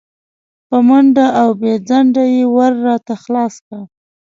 په منډه او بې ځنډه یې ور راته خلاص کړ.